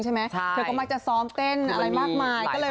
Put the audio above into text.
เธอก็มาจะซ้อมเต้นอะไรมากมาย